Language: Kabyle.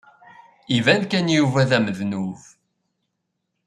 Iban kan Yuba d amednub.